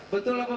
betul apa betul